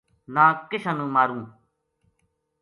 نا کشن ماروں